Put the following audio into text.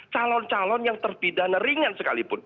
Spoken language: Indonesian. calon calon yang terpidana ringan sekalipun